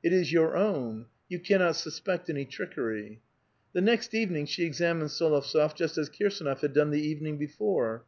It is your own ; you cannot suspect any trickery. Tlic next evening she examined S61ovtsof just as Kii sAnof had done the evening before.